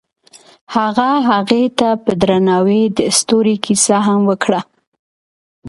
هغه هغې ته په درناوي د ستوري کیسه هم وکړه.